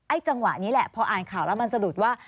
จังหวะนี้แหละพออ่านข่าวแล้วมันสะดุดว่า